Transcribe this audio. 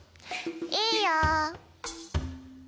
いいよ。